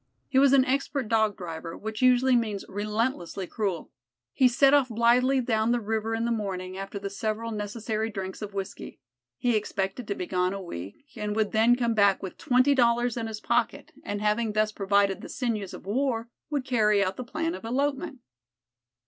He was an expert Dog driver, which usually means relentlessly cruel. He set off blithely down the river in the morning, after the several necessary drinks of whiskey. He expected to be gone a week, and would then come back with twenty dollars in his pocket, and having thus provided the sinews of war, would carry out the plan of elopement.